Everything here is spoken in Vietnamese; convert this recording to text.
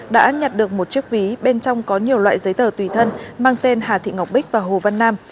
đã nhặt được một chiếc ví bên trong có nhiều loại giấy tờ tùy thân mang tên hà thị ngọc bích và hồ văn nam